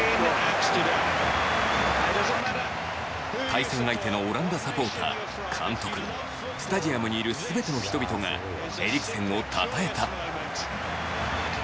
対戦相手のオランダサポーター監督スタジアムにいる全ての人々がエリクセンをたたえた。